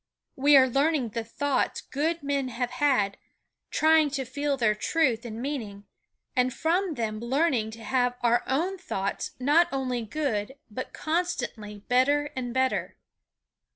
We are learning the thoughts good men have had, trying to feel their truth and meaning, and from them learning to have our own thoughts not only good but constantly better and better.